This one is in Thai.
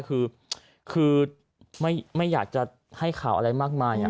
คือไม่อยากจะให้ข่าวอะไรมากมาย